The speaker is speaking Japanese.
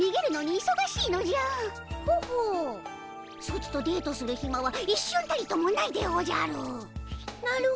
ソチとデートするひまは一瞬たりともないでおじゃる。